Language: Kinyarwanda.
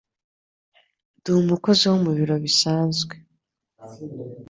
Ndi umukozi wo mu biro bisanzwe